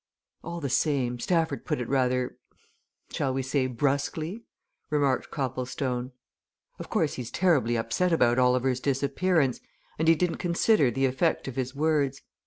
"All the same, Stafford put it rather shall we say, brusquely," remarked Copplestone. "Of course, he's terribly upset about Oliver's disappearance, and he didn't consider the effect of his words.